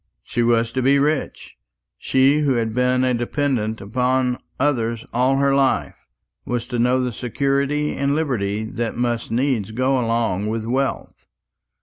She was to be rich. She who had been a dependant upon others all her life was to know the security and liberty that must needs go along with wealth.